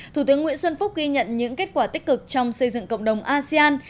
thủ tướng nguyễn xuân phúc ghi nhận những kết quả tích cực trong xây dựng cộng đồng asean